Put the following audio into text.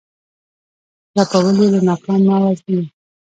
رپول یې له ناکامه وزرونه